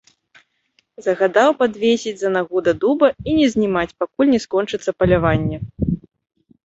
Загадаў падвесіць за нагу да дуба і не знімаць, пакуль не скончыцца паляванне.